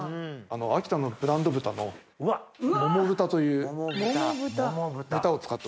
秋田のブランド豚の桃豚という豚を使っております。